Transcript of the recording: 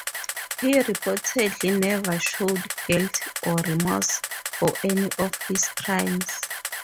He reportedly never showed guilt or remorse for any of his crimes.